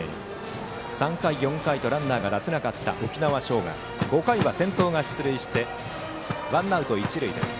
３回、４回とランナーが出せなかった沖縄尚学ですが５回は先頭が出塁してワンアウト、一塁です。